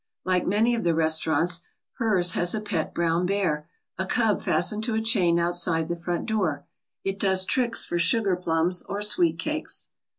Like many of the restaurants, hers has a pet brown bear, a cub fastened to a chain outside the front door. It does tricks for sugar plums or sweet cakes.